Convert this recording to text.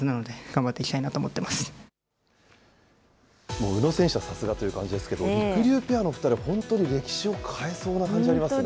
もう宇野選手はさすがという感じですけど、りくりゅうペアの２人は本当に歴史を変えそうな感じありますよね。